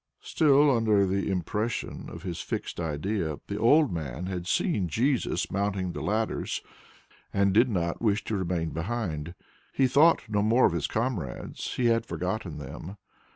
Still under the impression of his fixed idea, the old man had seen Jesus mounting the ladders and did not wish to remain behind. He thought no more of his comrades; he had forgotten them.